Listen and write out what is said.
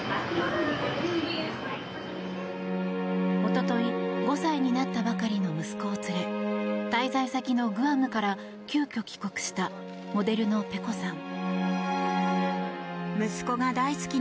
おととい、５歳になったばかりの息子を連れ滞在先のグアムから急きょ帰国したモデルのｐｅｃｏさん。